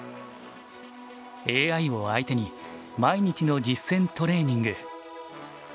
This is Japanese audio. ＡＩを相手に毎日の実戦トレーニング。